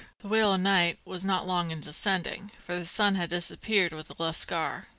The "wail o' night" was not long in descending, for the sun had disappeared with the lascar.